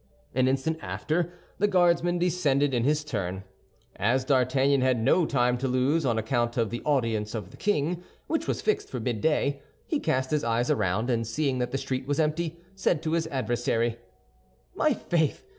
An instant after, the Guardsman descended in his turn. As D'Artagnan had no time to lose, on account of the audience of the king, which was fixed for midday, he cast his eyes around, and seeing that the street was empty, said to his adversary, "My faith!